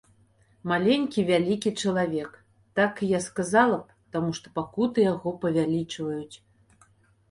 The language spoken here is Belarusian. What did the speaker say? Маленькі вялікі чалавек, так я сказала б, таму што пакуты яго павялічваюць.